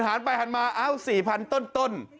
๓๐๐๐๐ฐานไปฐานมาเอา๔๐๐๐ต้น